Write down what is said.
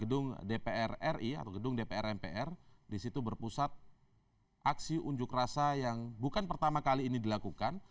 gedung dpr ri atau gedung dpr mpr disitu berpusat aksi unjuk rasa yang bukan pertama kali ini dilakukan